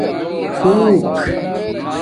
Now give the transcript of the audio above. خُݸک